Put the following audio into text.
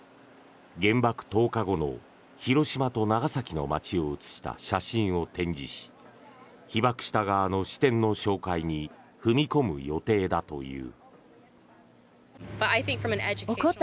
原爆投下後の広島と長崎の街を写した写真を展示し被爆した側の視点の紹介に踏み込む予定だという。